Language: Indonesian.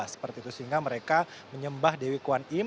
seperti itu sehingga mereka menyembah dewi kwan im